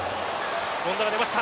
権田が出ました。